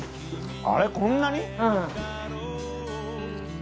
あれこんなに？